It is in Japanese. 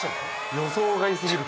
予想外すぎる。